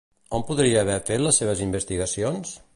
On podria haver fet les seves investigacions?